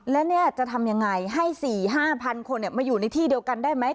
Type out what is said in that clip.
แล้วเนี่ยจะทำยังไงให้สี่ห้าพันคนเนี่ยมาอยู่ในที่เดียวกันได้ไหม